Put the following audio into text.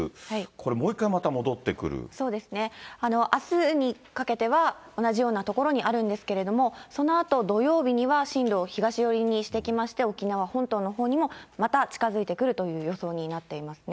これ、そうですね、あすにかけては、同じような所にあるんですけれども、そのあと土曜日には進路を東寄りにしてきまして、沖縄本島のほうにもまた近づいてくるという予想になっていますね。